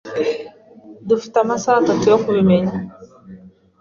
Dufite amasaha atatu yo kubimenya.